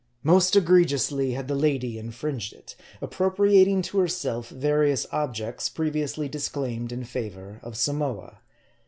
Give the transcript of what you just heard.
Most egregiously had the lady infringed it ; ap propriating to herself various objects previously disclaimed in favor of Samoa.